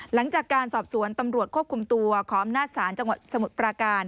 หลังจากการสอบสวนตำรวจควบคุมตัวขออำนาจศาลจังหวัดสมุทรปราการ